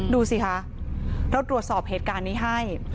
ดูสิคะเราตรวจสอบเหตุการณ์นี้ให้